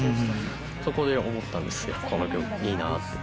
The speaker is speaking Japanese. そこで思ったんですよ、この曲、いいなって。